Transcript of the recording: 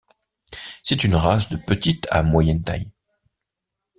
C'est une race de petite à moyenne taille.